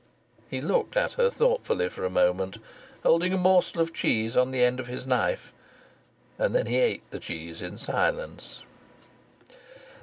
He looked at her thoughtfully for a moment, holding a morsel of cheese on the end of his knife; then he ate the cheese in silence.